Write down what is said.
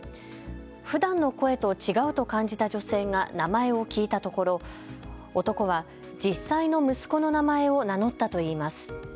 ふだんの声と違うと感じた女性が名前を聞いたところ、男は実際の息子の名前を名乗ったといいます。